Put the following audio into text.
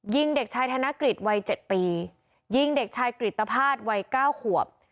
ยิงเด็กชายธนกฤตวัย๗ปียิงเด็กชายกฤตภาษณ์วัย๙ขวบ